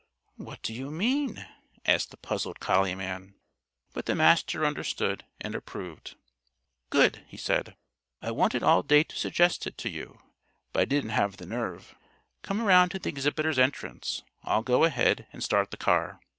"What do you mean?" asked the puzzled collie man. But the Master understood and approved. "Good!" he said. "I wanted all day to suggest it to you, but I didn't have the nerve. Come around to the Exhibitors' Entrance. I'll go ahead and start the car."